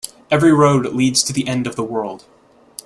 Every road leads to the end of the world.